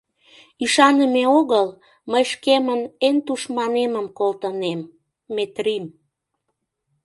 Ӱшаныме огыл, мый шкемын эн тушманемым колтынем, Метрим.